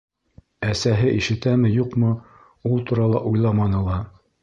Әсәһе ишетәме-юҡмы, ул турала уйламаны ла.